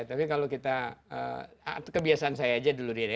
tapi kalau kita kebiasaan saya aja dulu deh